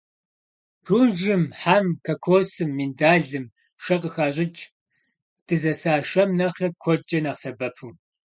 Прунжым, хьэм, кокосым, миндалым шэ къыхащӀыкӀ, дызэса шэм нэхърэ куэдкӀэ нэхъ сэбэпу.